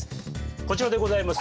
こちらでございます。